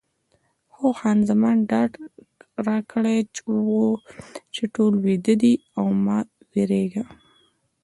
خو خان زمان ډاډ راکړی و چې ټول ویده دي او مه وېرېږه.